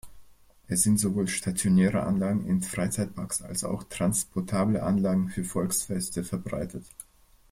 Es sind sowohl stationäre Anlagen in Freizeitparks als auch transportable Anlagen für Volksfeste verbreitet.